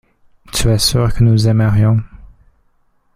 Tu es sûr que nous aimerions.